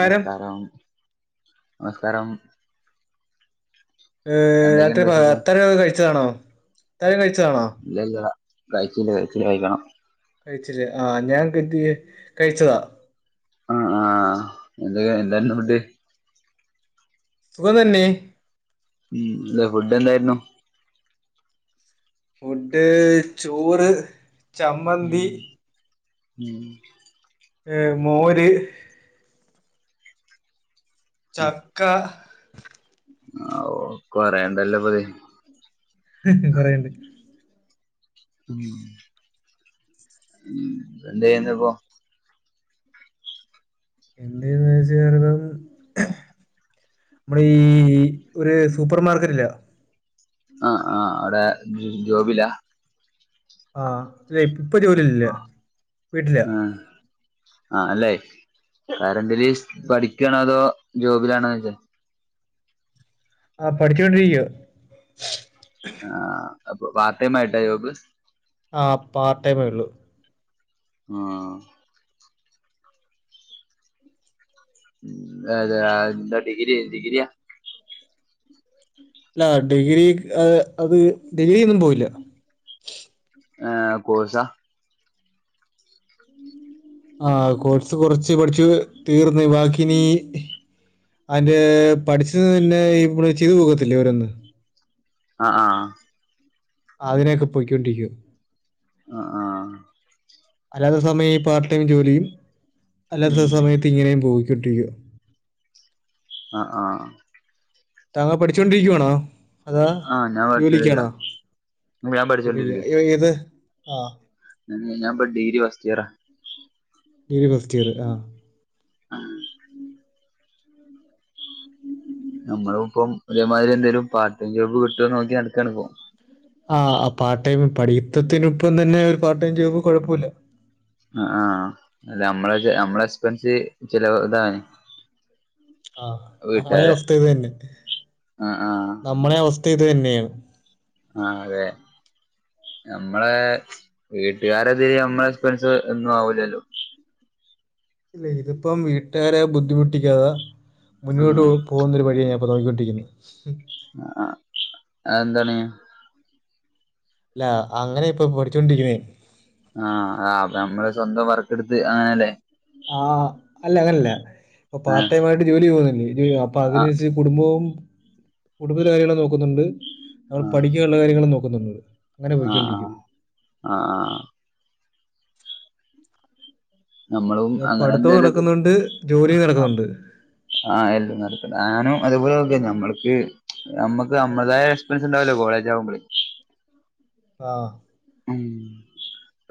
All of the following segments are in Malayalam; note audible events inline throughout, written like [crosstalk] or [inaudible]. നമസ്കാരം നമസ്കാരം. ഏഹ് രാത്രി എന്തൊക്കെയുണ്ട് പ വിശേഷം അത്താഴം ഒക്കെ കഴിച്ചതാണ, അത്താഴം കഴിച്ചതാണോ? ഇല്ല ഇല്ല കഴിച്ചില്ല ഇച്ചിരി കഴിക്കണം. കഴിച്ചില്ലേ ആഹ് ഞാൻ [unintelligible] കഴിച്ചതാ. ആഹ് ആഹ് എന്ത് എന്തായിരുന്നു ഫുഡ്. സുഖം തന്നെ. ഉം ഇന്ന് ഫുഡ് എന്തായിരുന്നു? ഫുഡ് ചോറ് ചമ്മന്തി ഉം ഉം ഏഹ് മോര് ചക്ക ആഹ് കുറേയുണ്ടല്ലോ ഇപ്പൊ ഇത്. കുറേയുണ്ട്. ഉം ഉം എന്ത് ചെയ്യുന്നു ഇപ്പൊ? എന്ത് ചെയ്യുന്നതെന്ന് ചോദിച്ചാൽ ഞാൻ ഇപ്പൊ. നമ്മള് ഈ ഒരു സൂപ്പർ മാർക്കറ്റ് ഇല്ലേ. ആഹ് ആഹ് അവിടെ ജോബിലാ. ആഹ് ഇതേ ഇപ്പൊ ജോലിയിൽ ഇല്ല വീട്ടിലാ. ആഹ് അല്ലേ വേറെ എന്തിര്, പഠിക്കണതോ ജോബിലാണോ വച്ച്. ആഹ് പഠിച്ചുകൊണ്ടിരിക്കുക. ആഹ് അപ്പൊ പാർട്ട്‌ ടൈം ആയിട്ടാ ജോബ്. ആഹ് പാർട്ട് ടൈമേയുള്ളൂ. ആഹ് ഉം അതെന്താ ഡിഗ്രി കഴിഞ്ഞു ഡഗ്രിയാ. അല്ല ഡിഗ്രി ആഹ് അത് ഡിഗ്രി ഒന്നും പോയില്ല. ആഹ് കോഴ്സാ. ആഹ് കോഴ്സ് കൊറച്ച് പഠിച്ചു തീർന്ന് ബാക്കി ഇനി. അതിന്റെ പഠിച്ചത് തന്നെ ഇവിടെ ചെയ്ത് പോക്കാത്തില്ലേ ഓരോന്ന്. ആഹ് ആഹ് ആഗ്രഹമൊക്കെ പോയിക്കൊണ്ടിരിക്കുക. ആഹ് ആഹ് അല്ലാത്ത സമയം ഈ പാർട്ട് ടൈം ജോലിയും അല്ലാത്ത സമയത്ത്. ഇങ്ങനെയും പോയിക്കൊണ്ടിരിക്കും. ആഹ് ആഹ് താങ്കൾ പഠിച്ചുകൊണ്ടിരിക്കുവാണോ? അതാ ആഹ് ഞാൻ പഠിച്ചോണ്ടിരിക്ക ജോലിക്കാണോ ഞാൻ പഠിച്ചോണ്ടിരിക്ക ഏത് ആ ഞാനപ്പ ഡിഗ്രി ഫസ്‌റ്റിയറാ ഡിഗ്രി ഫസ്റ്റ് ഇയർ ആ ഉ നമ്മള ഇപ്പം ഒരേ മാതിരി എന്തേലും പാർട്ട് ടൈം ജോബ് കിട്ടോന്ന് നോക്കി നടക്കാണ്പ്പോ. ആഹ് ആ പാർട്ട്ടൈം പഠിത്തത്തിനൊപ്പം തന്നെ ഒരു പാർട്ട് ടൈം ജോബ് കുഴപ്പമില്ല. ആ ആഹ അല്ല നമ്മള് നമ്മള എക്സ്പെൻസ് ചില ഇത ആഹ് നമ്മളെഅവസ്ഥ ഇത് തന്നെ ആഹ് ആഹ് നമ്മളെ അവസ്ഥ ഇത് തന്നെയാണ്. ആ അതെ. നമ്മളെ വീട്ടുകാരതിരേ നമ്മളെ എക്സ്പെൻസ് ഒന്നും ആവൂലല്ലോ. ഇത് ഇപ്പം വീട്ടുകാരെ ബുദ്ധിമുട്ടിക്കാതെ മുന്നോട്ട് ആഹ് പോവും. പോകുന്നൊരു വഴിയാ ഞാൻ ഇപ്പോ നോക്കിക്കൊണ്ടിരിക്കുന്നത്. അതെന്താണ്? അല്ല അങ്ങനെ ഇപ്പോ പഠിച്ചൊണ്ടിരിക്കുന്നേ. ആഹ് അ നമ്മള് സ്വന്തം വർക്ക് എടുത്ത് അങ്ങനല്ലേ. ആഹ് അല്ല അതല്ല ഇപ്പോ ആഹ് പാർടൈം ആയിട്ട് ജോലി ചെയ്തു പോകുന്നില്ലേ, അപ്പോ ആഹ് അതിനനുസരിച്ച് കുടുംബവും കുടുംബത്തിലെ കാര്യങ്ങളൊക്കെ നോക്കുന്നുണ്ട്. നമ്മൾ ആഹ് പഠിക്കാനുള്ള കാര്യങ്ങളും നോക്കുന്നുണ്ട് അങ്ങനെ ആഹ് പോയ്ക്കൊണ്ടിരിക്കും. ആഹ് അഹ് ആഹ്. നമ്മളും അത് അങ്ങനെ പഠിത്തവും എന്തെലൊക്കെ നടക്കുന്നുണ്ട് ജോലിയും നടക്കുന്നുണ്ട് ആഹ് എല്ലും നടക്കണ്ട്, ഞാനും അതെപോലെക്കെ ഞമ്മൾക്ക് [unintelligible] നമ്മുക്ക് നമ്മളുടേതായ എക്സ്പെൻസ് ഉണ്ടാവൂല്ലോ കോളേജ് ആവുമ്പ ആഹ്. ഉം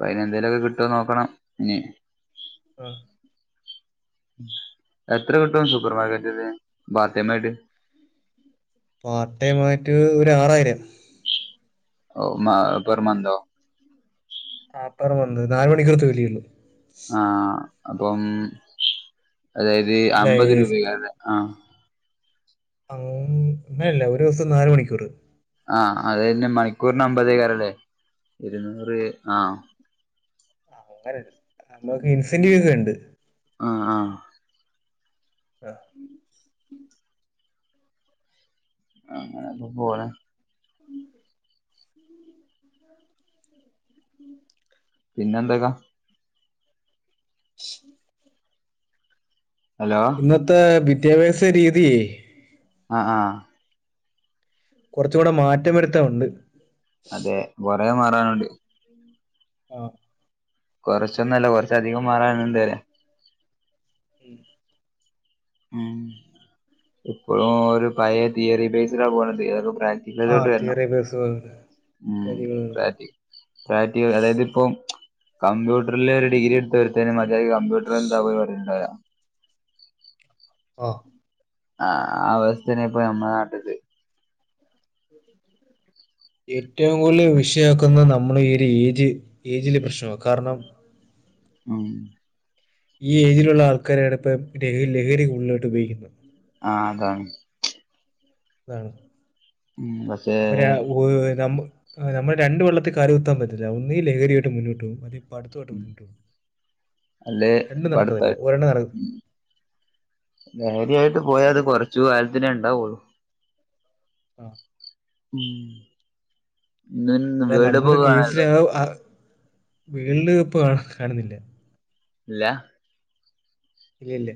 അയിന് എന്തേലുമൊക്കെ കിട്ടോ നോക്കണം ഇനി. ആഹ് എത്ര കിട്ടും സൂപ്പർ മാർക്കറ്റന്ന് പാർടൈമായിട്ട്. പാർട്ടൈമായിട്ട് ഒര് ആറായിരം. ഓ പെർ മന്തോ? ആ പെർ മന്ത് നാല്മണിക്കൂറത്തെ ജോലി ആ അപ്പം അതായത് അല്ല അമ്പത് രൂപയാണ് ആ ആ അങ്ങനെയല്ല ഒരു ദിവസം നാല് മണിക്കൂർ. ആഹ് അതെന്നെ മണിക്കൂറിന് അമ്പതേക്കാരന്ന് ഇരുന്നൂറ് ആഹ്. നമ്മക്ക് ഇൻസെന്റീവ്സ് ഉണ്ട്. ആഹ് ആഹ് ആഹ്. അങ്ങനൊക്കെ പോണ്. [inaudible] [inaudible] പിന്നെ എന്തൊക്കാ? [inaudible] ഹലോ. ഇപ്പത്തെ വിദ്യാഭ്യാസ രീതി. ആഹ് ആഹ് കുറച്ചൂടെ മാറ്റം വരുത്താൻ ഉണ്ട്. അതെ കൊറേ മാറാനുണ്ട്. ആഹ്. കൊറച്ചൊന്നും അല്ല കൊറച്ച് അധികം മാറാനുണ്ട് ഉം ഇപ്പോഴും ഒരു പഴയ തിയറി ബേസ്ഡാ പോണത് ഇതൊക്കെ ബ്ര ഇല്ല ആ ഇതോട്ട് വരണം തിയറി ബേസ് ഉം കാര്യങ്ങളുണ്ട് ബാക്കി ഫാറ്റി അതായത് ഇപ്പം കമ്പ്യൂട്ടറിൽ ഒരു ഡിഗ്രി എടുത്ത ഒരുത്തന് മറ്റേ കമ്പ്യൂട്ടർ എന്താ പറയുണ്ടാവില്ലേ? ആഹ് ആഹ് അവസ്ഥാണ് ഇപ്പോ നമ്മുടെ നാട്ടില്. [inaudible] ഏറ്റവും കൂടുതൽ വിഷയാക്കുന്ന നമ്മള് ഈ ഒരു ഏജ് ഏജിലെ പ്രശ്നമാ കാരണം. ആഹ് ഈ ഏജിലുള്ള ആൾക്കാരാണ് എവിടെപ്പം ലഹ ലഹരി ഉള്ളിലോട്ട് ഉപയോഗിക്കുന്നത്. ആഹ് അതാണ് അതാണ് ഉം പക്ഷേ അപ്പൊരാ ഒരു നമ്മ നമ്മൾ രണ്ട് വള്ളത്തിൽ കാല് കുത്താൻ പറ്റില്ല ഒന്നെങ്കിൽ ലഹരിയായിട്ട് മുന്നോട്ട് പോകും അതി അടുത്ത വട്ടം അല്ലേ രണ്ടും നടക്കുന്നില്ല പഠിത്തായിട്ടും ഒരെണ്ണം നടക്ക നേരിയായിട്ട് പോയാ അത് കുറച്ച് കാലത്തിനേ ഉണ്ടാവുള്ളു ആഹ് ഇന്ന് അല്ല വേൾഡ് കപ്പ് നമ്മളൊരു ഒക്കെ കാണാറുണ്ടോ [unintelligible] വേൾഡ് കപ്പ് കാണു കാണുന്നില്ല ഇല്ല ഇല്ല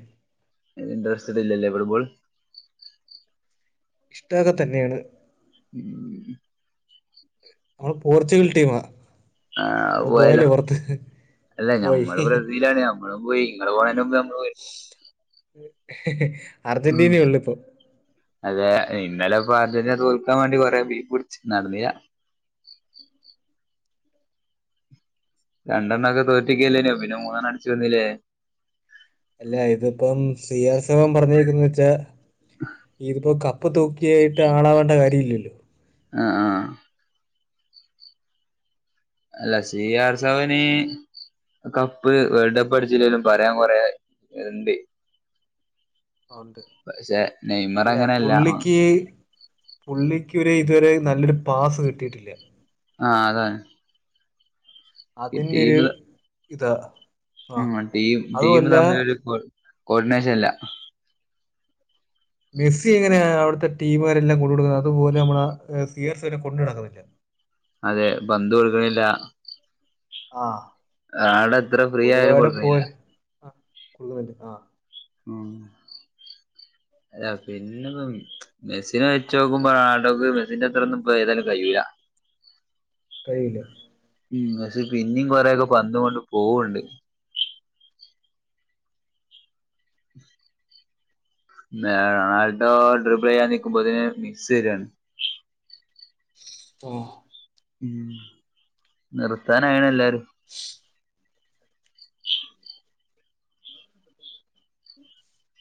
ഇൻ്ററസ്സ് ഇല്ലേ ഫുട്ബോൾ ഇഷ്ടൊക്കെ തന്നെയാണ് [inaudible] നമ്മള് പോർച്ചുഗൽ ടീമാ ആ നമ്മള് പോയാലോ പോയില്ലേ പുറത്ത് അല്ല പോയി ഞമ്മള് ബ്രസീലാണ് നമ്മളും പോയി ഇങ്ങൾ പോണതിന് മുമ്പ് നമ്മള് പോയി ഉം അർജന്റീനയെ ഉള്ളു ഇപ്പോ അതെ ഇന്നലെ ഇപ്പൊ അർജന്റീന തോൽക്കാൻ വേണ്ടി കൊറെ ബീ പിടിച്ച് നടന്നില്ല രണ്ടെണ്ണം ഒക്കെ തോറ്റിക്കല്ലേനെ പിന്നെ മൂന്നെണ്ണം അടിച്ചു വന്നില്ലേ അല്ല ഇതിപ്പം സി ആർ സെവൻ പറഞ്ഞിരിക്കന്ന് വെച്ചാ ഇതിപ്പോ കപ്പ് കപ്പ് തൂക്കിയിട്ട് ആളാവണ്ട കാര്യമില്ലല്ലോ ആഹ് അല്ല സി ആർ സെവന് കപ്പ് വേൾഡ് കപ്പ് അടിച്ചില്ലെങ്കിലും പറയാൻ കൊറെ ഇണ്ട് [unintelligible] പക്ഷെ നെയ്മർ ഇല്ല അങ്ങനെയല്ല പുള്ളിക്ക് പുള്ളിക്ക് ഒരു ഇതുവരെ നല്ലൊരു പാസ് കിട്ടിയിട്ടില്ല ആഹ് അതാന്ന് അതിന്റെ ഒരു ഇതാ ആ ഉം ടീം ടീം അതുമല്ല തമ്മിലൊരു കോർഡിനേഷൻ ഇല്ല മെസ്സി എങ്ങനെ അവിടുത്തെ ടീമുകാരെല്ലാം കൊണ്ട് നടക്കുന്നത് അതുപോലെ നമ്മള് സി ആർ സെവനെ കൊണ്ടു നടക്കുന്നില്ല അതെ പന്ത് കൊടുക്കണില്ല ആഹ് ആടെ എത്ര ഫ്രീ ആയാലും കൊടുക്കുന്നില്ല ആഹ് കൊള്ളുന്നുണ്ട് ആഹ് ആഹ് അല്ല പിന്നെ മെസ്സിനെ വെച്ച് നോക്കുമ്പോട്ടക്ക് മെസ്സിന്റെ അത്രൊന്നും ഇ ഏതായാലും കഴിയൂല കയ്യില്ല ഉം മെസ്സി പിന്നെയും കൊറെയൊക്കെ പന്ത് കൊണ്ട് പോന്നുണ്ട് റൊണാൾഡോ ഡ്രിബിൾ ചെയ്യാൻ നിൽക്കുമ്പോ അതിന് മിസ് തരുയാണ് ഓഹ് ഉം നിർത്താനായാണ് എല്ലാരും [unintelligible]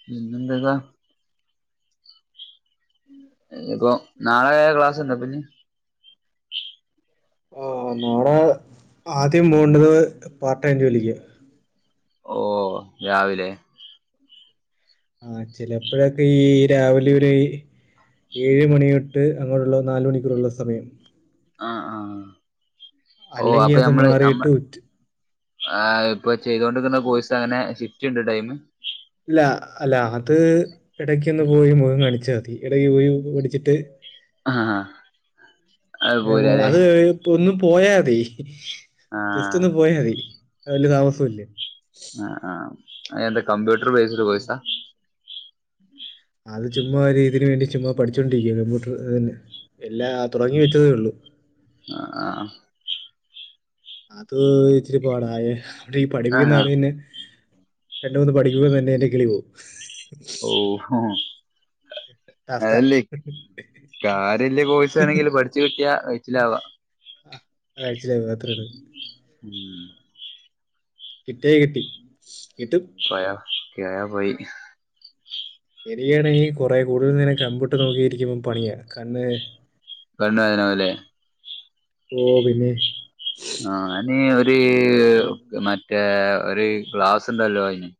പിന്നെന്തതാ ഇനിപ്പൊ നാളെ ക്ലാസുണ്ടോ ഇപ്പം ഇനി ഓ നാളെ ആദ്യം പോണ്ടത് പാർടൈം ജോലിക്ക് ഓ രാവിലെ ആ ചിലപ്പോഴൊക്കെ ഈ രാവിലെ ഒര് ഏഴ് മണി തൊട്ട് അങ്ങോട്ടുള്ള നാല് മണിക്കുറുള്ള സമയം ആഹ് ആഹ് ഓഹ് അല്ലെങ്കിൽ അപ്പൊ അത് ഞമ്മള് നമ്മ മാറിയിട്ട് ഉച്ച ആ ഇപ്പൊ ചെയ്തോണ്ടിക്കുന്ന കോഴസ് അങ്ങനെ ഷിഫ്റ്റ് ഉണ്ട് ടൈമ് ഇല്ല അല്ല അത് ഇടക്കൊന്ന് പോയി മുഖം കാണിച്ചാ മതി ഇടക്ക് പോയി പിടിച്ചിട്ട് ആഹ് ഹ [unintelligible] അത് കഴിഞ്ഞപ്പോ ഒന്നും പോയാത ആഹ് അടുത്തൊന്ന് പോയാ മതി വല്യ താമസം ഇല്ല ആഹ് ആഹ് എന്താ കമ്പ്യൂട്ടർ ബേസ്ഡ് കോയ്സ ഉം. അത് ചുമ്മാ ഒരീതിന് വേണ്ടി ചുമ്മാ പഠിച്ചുകോണ്ടിരിക്കുവാണ് കമ്പ്യൂട്ടർന് എല്ലാ തുടങ്ങി വെച്ചതേ ഉള്ളൂ ആഹ് ആഹ് അത് ഇച്ചിരി പാടയെ അവിടെ പഠിപ്പിക്കുന്ന ആഹ് ആള് പിന്നെ രണ്ട് മൂന്ന് പഠിക്കുമ്പോ തന്നെ എന്റെ കിളി പോവും ഓഹ് ടാസ്കാ അതല്ലേ കാര്യല്ലേ കൊയിസനങ്കിലും പഠിച്ച് കിട്ടിയ ഹൈറ്റിലവം ആഹ് ആഴ്ചില് മാത്രെരു ഉം കിട്ടിയ കിട്ടി കിട്ടും പോയ ഗയാ പോയി എനിക്കാണെങ്കി കൊറേ കൂടുതൽ നേരം കമ്പ്യൂട്ടറ് നോക്കി ഇരിക്കുമ്പം പണിയ കണ്ണ് പെണ്ണയ്നാവല്ലേ ഓ പിന്നെ ആഹ് നി ഒര് ഫു, മറ്റേ ഒരു ക്ലാസ് ഉണ്ടല്ലോ അയ്ന്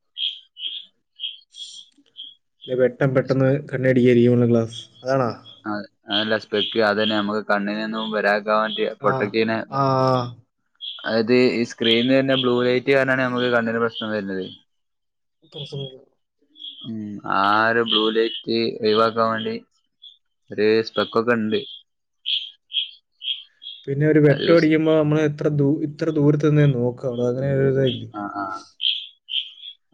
അല്ലെ വേട്ടം പെട്ടെന്ന് കണ്ണടിക്കാരിക്കുള്ള ക്ലാസ് അതാണോ അത് അതല്ല സ്പെക്ക്യു അതന്നെ നമ്മുക്ക് കണ്ണിന് ഒന്നും വരാ ഇരിക്കൻ വേണ്ടി പ്രോട്ക്ട് ആഹ് ചെയ്യ്ണെ ആഹ് അത് ഈ സ്ക്രീനിന്ന് ബ്ലൂ ലൈറ്റ് കാരണാണ് നമ്മുക്ക് കണ്ണിന് പ്രശ്നം വരുന്നത് പ്രശ്നമാ ഉം ആ ഒരു ബ്ലൂ ലൈറ്റ് ഒഴിവാക്കാൻ വേണ്ടി ഒരു സ്ട്രകക്കെ ഒണ്ട് പിന്നെ ഒരു അത് വെട്ടോ യൂസ് അടിക്കുമ്പോ നമ്മൾ എത്ര ദൂ ഇത്ര ദൂരത്തിന്നെ നോക്കള്ളു അങ്ങനെ ഒരുരിതല്ലേ ആഹ് ആഹ്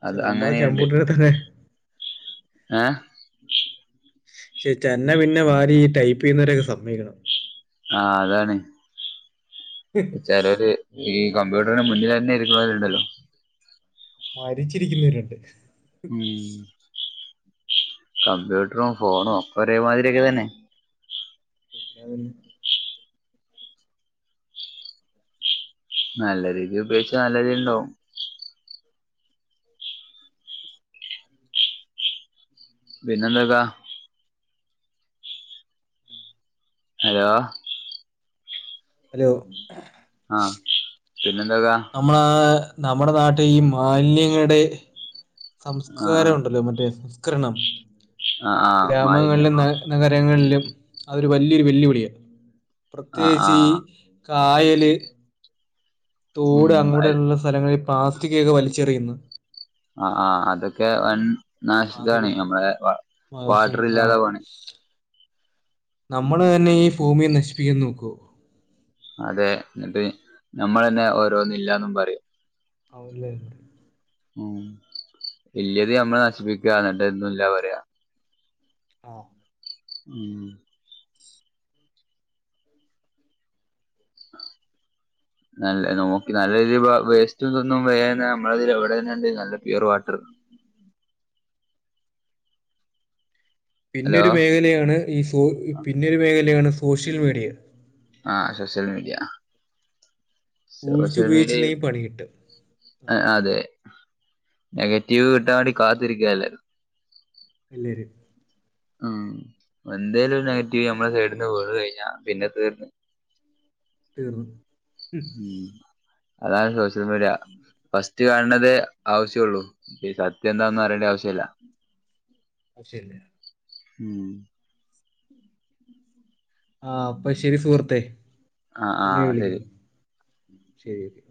അത് അങ്ങനെയുണ്ട് എത്രിനെ ഏഹ് ചേ ചന്ന പിന്നെ വാരിഈ ടൈപ്പ് ചെയ്യുന്നവരൊക്കെ സമ്മക്കണം ആ അതാണ് ചിലര് ഈ കമ്പ്യൂട്ടറിന് മുന്നിലാന്നെ ഇരിക്കണോരുണ്ടല്ലോ മരിച്ചിരിക്കുന്നവരുണ്ട് ഉം കമ്പ്യൂട്രും ഫോണു ഒക്കെ ഒരേ മാതിരി ഒക്കെ തന്നെ തെറ്റാ വരുന്നേ നല്ല രീതി ഉപയോഗിച്ച നല്ല രീതി ഉണ്ടാവും പിന്നെന്തത ഹലോ ഹലോ ആഹ് പിന്നെ എന്തെക്കാ നമ്മള നമ്മുടെ നാട്ടിൽ ഈ മാലിന്യങ്ങളുടെ ആ സംസ്കാരം ഉണ്ടല്ലോ മറ്റേ സംസ്കരണം ആ ആ ഗ്രാമങ്ങളിൽ മാലിന്യം ആ നഗരങ്ങളിലും അതൊരു വലിയൊരു വെല്ലുവിളിയാണ് ആ ആ പ്രത്യേകിച്ച് ഈ കായല് തോട് ഉം അങ്ങോടെ ഉള്ള സ്ഥലങ്ങളിൽ പ്ലാസ്റ്റിക്കൊക്കെ വലിച്ചെറിയുന്നു ആഹ് ആഹ് അതൊക്കെ വൻ നാശ് ആ, ഇതാണെ അതൊക്കെ നമ്മളെ വാട്ടർ ഇല്ലാതെ പോണ് നമ്മള് തന്നെ ഈ ഭൂമിയെ നശിപ്പിക്കൻ നോക്കുവാ അതെ എന്നിട്ട് നമ്മള് തന്നെ ഓരോന്നും ഇല്ലാന്നും പറയും ആവൂല്ലേ ഉം ഇല്യത് നമ്മ നശിപ്പിക്കുക എന്നിട്ട് ഒന്നുല്ലാ പറയാ ആഹ് ഉം [unintelligible] നല്ല നോക്കി നല്ലരീതി വ വേസ്റ്റും ഇതൊന്നും വേന്ന നമ്മളിതിൽ എവിടെ തന്നെണ്ട് നല്ല പ്യുവർ വാട്ടർ ഹലോ പിന്നൊരു മേഖലയാണ് ഈ സോ പിന്നൊരു മേഖലയാണ് സോഷ്യൽ മീഡിയ ആഹ് സോഷ്യൽ മീഡിയ സോഷ്യൽ മീഡിയയിൽ സൂക്ഷിച്ചുപയോഗിച്ചില്ലെങ്കിൽ പണി കിട്ടും ആ ആഹ് അതെ നെഗറ്റീവ് കിട്ടാൻ വേണ്ടി കാത്തിരിക്ക എല്ലാരും പിള്ളേര് ഉം എന്തേലും ഒരു നെഗറ്റീവ് ഞമ്മളെ സൈഡിന്ന് വീണ് കഴിഞ്ഞാ പിന്നെ തീർന്ന് തീർന്നു ഉം അതാണ് സോഷ്യൽ മീഡിയ ഫസ്റ്റ് കാണതേ ആവശ്യോള്ളൂ സത്യം എന്താന്ന് അറിയേണ്ട ആവശ്യം ഇല്ല ആവശ്യല്ല ഉം ആഹ് അപ്പൊ ശരി സുഹൃത്തേ ആ ആ പിന്നീട് ശരി വിളിക്കാം ശരി ഒക്കെ